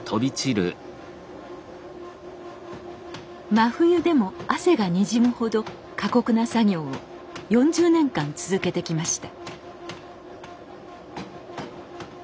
真冬でも汗がにじむほど過酷な作業を４０年間続けてきました。